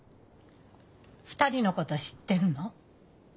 ２人のこと知ってるの？